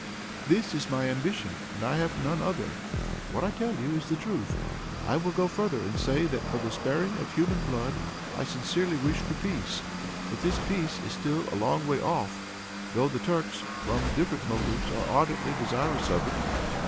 "This is my ambition, and I have none other. What I tell you, is the truth. I will go further, and say that, for the sparing of human blood, I sincerely wish for peace. But this peace is still a long way off, though the Turks, from different motives, are ardently desirous of it.